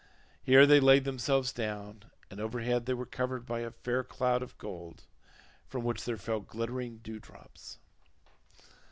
Here they laid themselves down and overhead they were covered by a fair cloud of gold, from which there fell glittering dew drops.